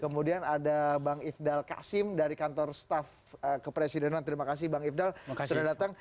kemudian ada bang ifdal kasim dari kantor staff kepresidenan terima kasih bang ifdal sudah datang